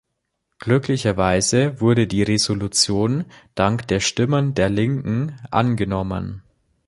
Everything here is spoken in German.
Glücklicherweise wurde die Resolution dank der Stimmen der Linken angenommen.